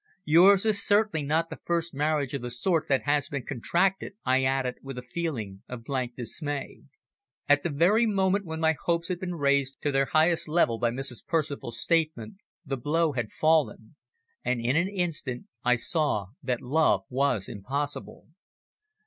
Yours is certainly not the first marriage of the sort that has been contracted," I added, with a feeling of blank dismay. At the very moment when my hopes had been raised to their highest level by Mrs. Percival's statement the blow had fallen, and in an instant I saw that love was impossible.